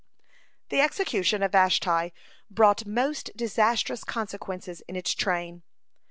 (46) The execution of Vashti brought most disastrous consequences in its train.